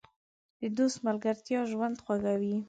د دوست ملګرتیا ژوند خوږوي.